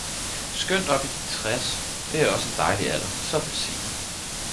Skønt op i de tres, det er også en dejlig alder, så velsignet